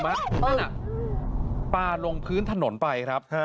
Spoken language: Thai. นั่นน่ะปลาลงพื้นถนนไปครับ